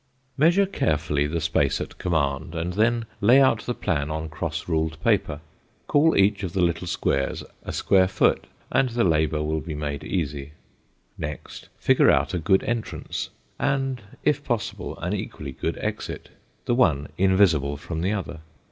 Measure carefully the space at command, and then lay out the plan on cross ruled paper. Call each of the little squares a square foot and the labor will be made easy. Next, figure out a good entrance, and, if possible, an equally good exit the one invisible from the other.